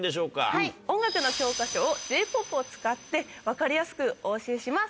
はい音楽の教科書をＪ−ＰＯＰを使って分かりやすくお教えします